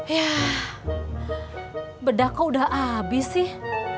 yah bedah kau udah abis sih